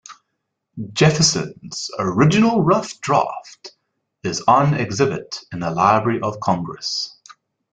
Jefferson's "original Rough draught" is on exhibit in the Library of Congress.